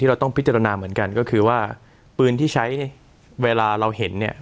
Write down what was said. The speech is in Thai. เราต้องพิจารณาเหมือนกันก็คือว่าปืนที่ใช้เวลาเราเห็นเนี่ย